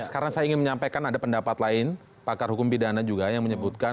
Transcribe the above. karena saya ingin menyampaikan ada pendapat lain pakar hukum pidana juga yang menyebutkan